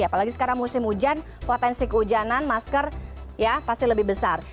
apalagi sekarang musim hujan potensi kehujanan masker ya pasti lebih besar